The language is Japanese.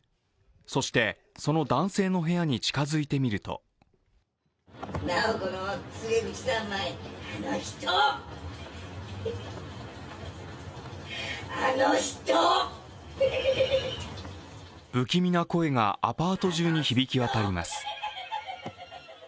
そして、その男性の部屋に近づいてみると不気味な声がアパート中に響きわたります。